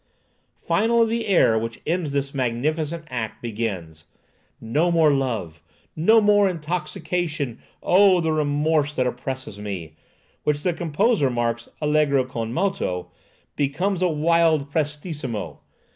Finally the air which ends this magnificent act, beginning, "No more love, no more intoxication, O the remorse that oppresses me!" which the composer marks allegro con moto, becomes a wild prestissimo.